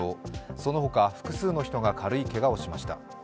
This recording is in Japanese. そのほか複数の人が軽いけがをしました。